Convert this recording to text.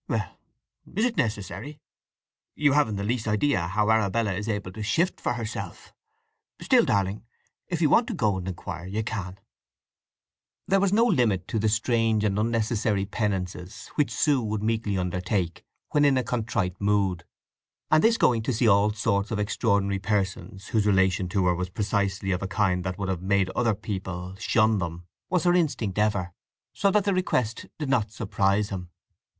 "Well—is it necessary? You haven't the least idea how Arabella is able to shift for herself. Still, darling, if you want to go and inquire you can." There was no limit to the strange and unnecessary penances which Sue would meekly undertake when in a contrite mood; and this going to see all sorts of extraordinary persons whose relation to her was precisely of a kind that would have made other people shun them was her instinct ever, so that the request did not surprise him.